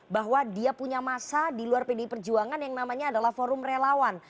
bahwa dia punya masa di luar pdi perjuangan yang namanya adalah forum relawan